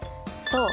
そう！